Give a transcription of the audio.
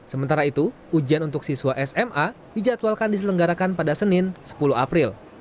sementara itu ujian untuk siswa sma dijadwalkan diselenggarakan pada senin sepuluh april